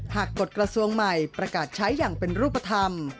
กฎกระทรวงใหม่ประกาศใช้อย่างเป็นรูปธรรม